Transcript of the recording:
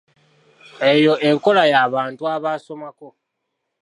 Eyo enkola ya bantu abaasomako.